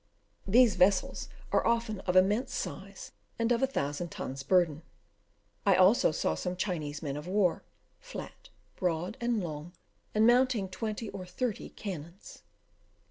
These vessels are often of immense size, and of a thousand tons' burden. I also saw some Chinese men of war, flat, broad, and long, and mounting twenty or thirty cannons.